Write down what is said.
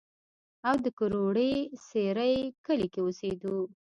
او د کروړې سېرۍ کلي کښې اوسېدو